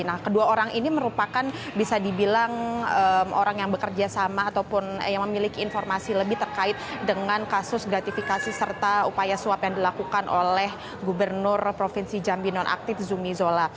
nah kedua orang ini merupakan bisa dibilang orang yang bekerja sama ataupun yang memiliki informasi lebih terkait dengan kasus gratifikasi serta upaya suap yang dilakukan oleh gubernur provinsi jambi nonaktif zumi zola